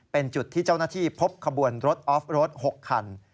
เป็นจุดที่เจ้าหน้าที่พบขบวนรถออฟรถ๖คัน